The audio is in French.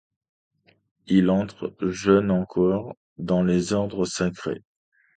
Il entre, jeune encore, dans les ordres sacrés.